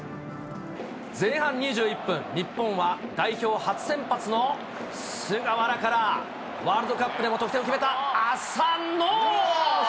前半２１分、日本は代表初先発の菅原からワールドカップでも得点を決めた浅野。